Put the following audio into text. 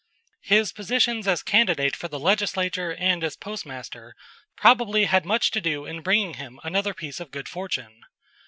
His positions as candidate for the legislature and as postmaster probably had much to do in bringing him another piece of good fortune.